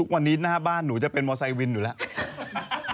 วันนี้หน้าบ้านหนูจะเป็นมอเซวินอยู่แล้ว